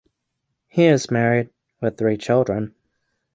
He is married (with three children).